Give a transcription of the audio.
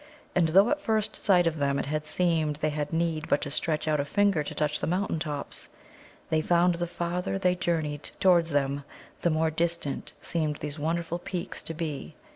And though at first sight of them it had seemed they had need but to stretch out a finger to touch the mountain tops, they found the farther they journeyed towards them the more distant seemed these wonderful peaks to be.